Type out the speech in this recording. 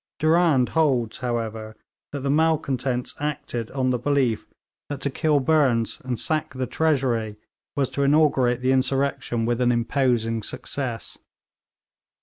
Durand holds, however, that the malcontents acted on the belief that to kill Burnes and sack the Treasury was to inaugurate the insurrection with an imposing success.